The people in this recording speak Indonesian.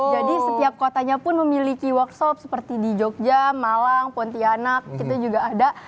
jadi setiap kotanya pun memiliki workshop seperti di jogja malang pontianak gitu juga ada